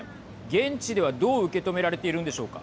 現地では、どう受け止められているんでしょうか。